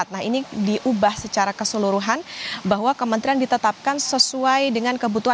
nah ini diubah secara keseluruhan bahwa kementerian ditetapkan sesuai dengan kebutuhan